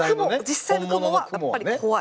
実際のクモはやっぱり怖い。